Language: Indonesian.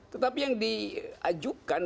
tetapi yang diajukan